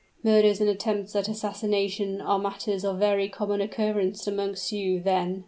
"Murders and attempts at assassination are matters of very common occurrence amongst you, then?"